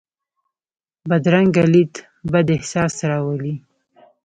بدرنګه لید بد احساس راولي